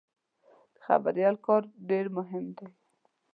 د خبریال کار ډېر مهم دی.